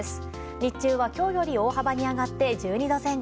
日中は今日より大幅に上がって１２度前後。